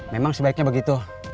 memang sebaiknya begitu